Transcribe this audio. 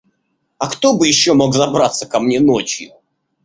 А кто бы еще мог забраться ко мне ночью?